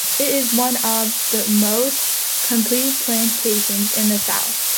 It is one of the most complete plantations in the South.